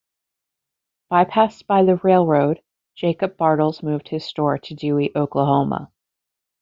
Bypassed by the railroad, Jacob Bartles moved his store to Dewey, Oklahoma.